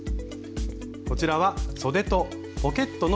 こちらはそでとポケットの袋布。